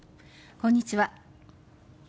こんにちは。